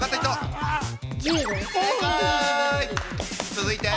続いて。